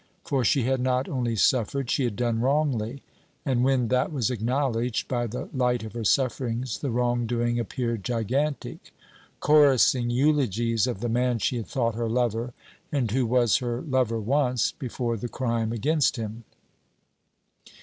For she had not only suffered; she had done wrongly: and when that was acknowledged, by the light of her sufferings the wrong doing appeared gigantic, chorussing eulogies of the man she had thought her lover: and who was her lover once, before the crime against him.